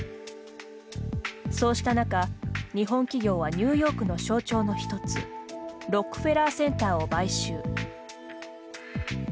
そうした中、日本企業はニューヨークの象徴の一つロックフェラー・センターを買収。